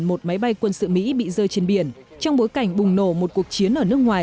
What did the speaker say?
một máy bay quân sự mỹ bị rơi trên biển trong bối cảnh bùng nổ một cuộc chiến ở nước ngoài